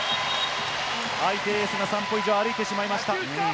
相手選手が３歩以上歩いてしまいました。